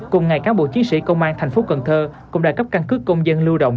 cùng ngày các bộ chiến sĩ công an tp cn cũng đã cấp căn cứ công dân lưu động